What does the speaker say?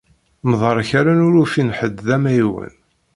Mderkalen ur ufin ḥedd d amɛiwen.